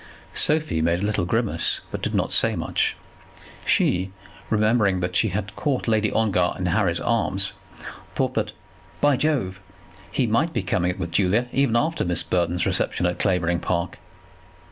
Sophie made a little grimace, but did not say much. She, remembering that she had caught Lady Ongar in Harry's arms, thought that, "by Jove," he might be coming it with Julia, even after Miss Burton's reception at Clavering Park.